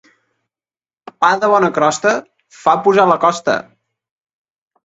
Pa de bona crosta fa pujar la costa.